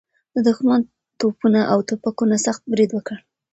د دښمن توپونه او توپکونه سخت برید وکړ.